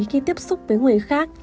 khi tiếp xúc với người khác